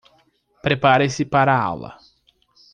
Prepare-se para a aula